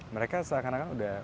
mereka selakan selakan berbicara